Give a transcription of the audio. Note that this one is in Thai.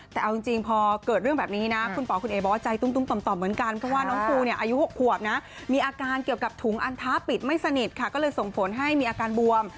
แต่เอาจริงพอเกิดเรื่องแบบนี้นะคุณป๋คุณเอ๋บอกว่าใจตุ้มต่อมเหมือนกันเพราะว่าน้องปูเนี่ยอายุ๖ขวบนะมีอาการเกี่ยวกับถุงอันท้าปิดไม่สนิทค่ะก็เลยส่งผลให้มีอาการบวม